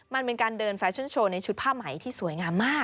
มันเป็นการเดินแฟชั่นโชว์ในชุดผ้าไหมที่สวยงามมาก